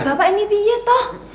bapak ini piet toh